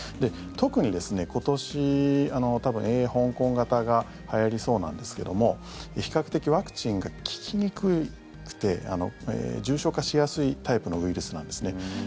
特に今年、多分Ａ香港型がはやりそうなんですが比較的ワクチンが効きにくくて重症化しやすいタイプのウイルスなんですね。